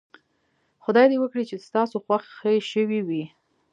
خدای دې وکړي چې ستاسو خوښې شوې وي.